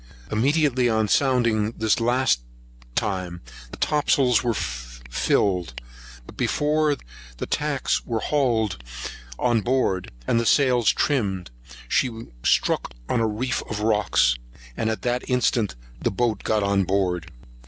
Immediately on sounding this last time, the topsails were filled; but before the tacks were hauled on board, and the sails trimmed, she struck on a reef of rocks, and at that instant the boat got on board.